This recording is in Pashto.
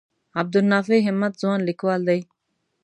عبدالنافع همت ځوان لیکوال دی.